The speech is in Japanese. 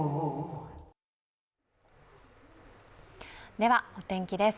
ではお天気です。